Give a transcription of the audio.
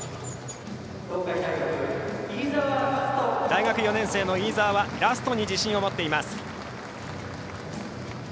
大学４年生の飯澤はラストに自信を持っています。